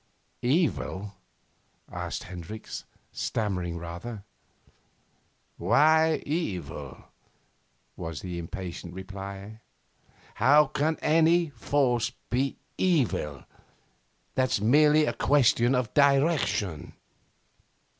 'Evil?' asked Hendricks, stammering rather. 'Why evil?' was the impatient reply. 'How can any force be evil? That's merely a question of direction.